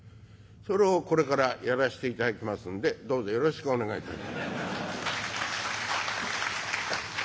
それをこれからやらしていただきますんでどうぞよろしくお願いいたします。